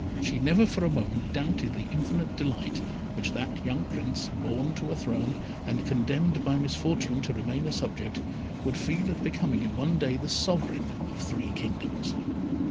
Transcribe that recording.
She never for a moment doubted the infinite delight which that young Prince, born to a throne, and condemned by misfortune to remain a subject, would feel at becoming in one day the sovereign of three kingdoms.